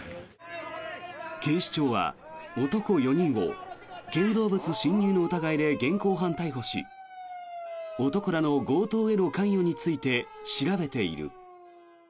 警視庁は男４人を建造物侵入の疑いで現行犯逮捕し男らの強盗への関与について調べている。